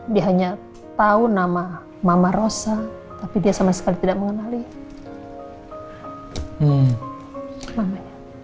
dia hanya tahu nama mama rosa tapi dia sama sekali tidak mengenali mamanya